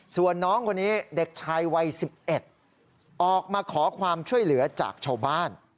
ส่วนน้องคนนี้เด็กชายวัย๑๑ออกมาขอความช่วยเหลือจากชาวบ้าน